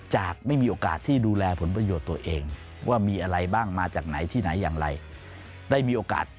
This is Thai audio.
ไม่มีโอกาสที่ดูแลผลประโยชน์ตัวเองว่ามีอะไรบ้างมาจากไหนที่ไหนอย่างไรได้มีโอกาส